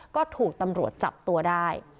ก็ถูกตำรวจจับตัวได้